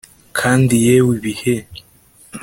Kandi yewe ibihe